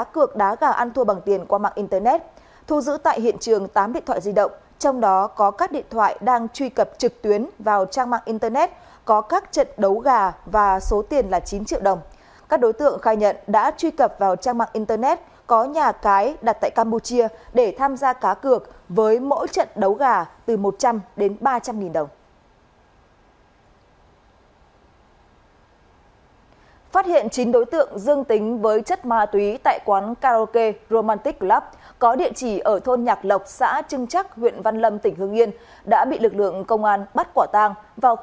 có địa chỉ ở thôn nhạc lộc xã trưng trắc huyện văn lâm tỉnh hương yên đã bị lực lượng công an bắt quả tang vào khoảng h ba mươi phút ngày một mươi ba tháng năm